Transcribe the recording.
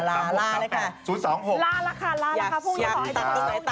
ลาละค่ะ๐๒๖